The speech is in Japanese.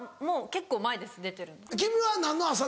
もう結構前です出てるの。